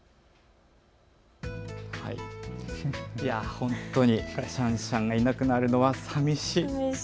本当にシャンシャンがいなくなるのはさみしい。